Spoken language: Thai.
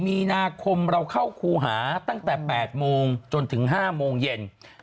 มีนาคมเราเข้าครูหาตั้งแต่๘โมงจนถึง๕โมงเย็น